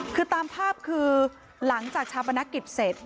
คือตามภาพคือหลังจากชาปนกิจเสร็จ